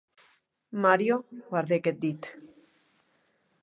Mario guardèc eth dit.